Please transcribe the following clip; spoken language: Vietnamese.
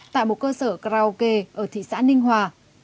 tại một cơ sở karaoke ở thị xã ninh hòa